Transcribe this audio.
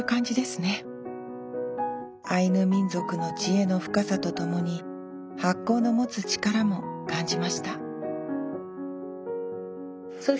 アイヌ民族の知恵の深さとともに発酵の持つ力も感じましたそう！